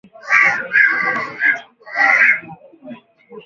Wiki iliyopitaTanzania iliongeza bei ya mafuta katika vituo vya kuuzia mafuta